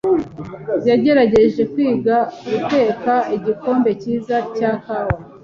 yagerageje kwiga guteka igikombe cyiza cya kawa.